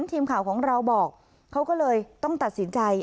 ทีมข่าวของเราบอกเขาก็เลยต้องตัดสินใจ